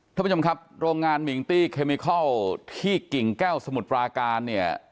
ท่านผู้ชมครับโรงงานมิงตี้เคมิคอลที่กิ่งแก้วสมุทรปราการเนี่ย